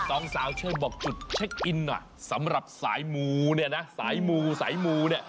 ต้องซาวเชื่อบอกจุดเช็คอินสำหรับสายหมูเนี่ยนะสายหมูสายหมูเนี่ย